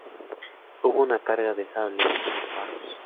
Hubo una carga de sables y disparos.